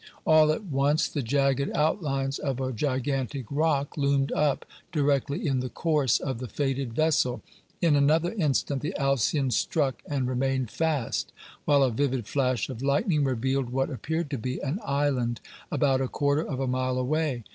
All at once the jagged outlines of a gigantic rock loomed up, directly in the course of the fated vessel; in another instant the Alcyon struck and remained fast, while a vivid flash of lightning revealed what appeared to be an island, about a quarter of a mile away.